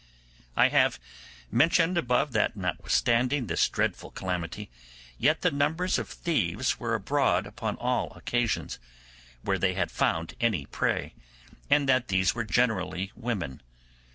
I have mentioned above that notwithstanding this dreadful calamity, yet the numbers of thieves were abroad upon all occasions, where they had found any prey, and that these were generally women.